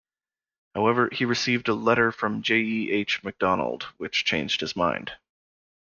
However, he received a letter from J. E. H. MacDonald which changed his mind.